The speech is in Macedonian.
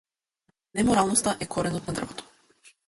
Неморалноста е коренот на дрвото.